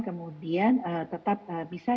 kemudian tetap bisa